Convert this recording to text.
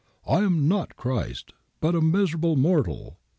I am not Christ, but a miserable mortal.'